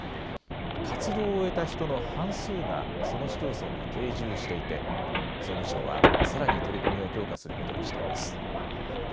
活動を終えた人の半数がその市町村に定住していて総務省はさらに取り組みを強化することにしています。